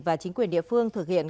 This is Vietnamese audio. và chính quyền địa phương thực hiện